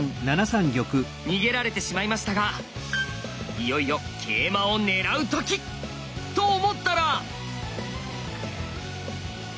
逃げられてしまいましたがいよいよ桂馬を狙う時！と思ったら。